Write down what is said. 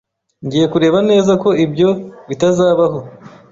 Ngiye kureba neza ko ibyo bitazabaho.